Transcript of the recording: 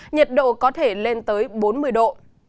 nhiệt độ có thể lên tới bốn mươi độ